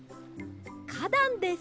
かだんです。